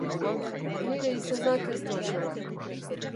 Nire izenak ez du axola.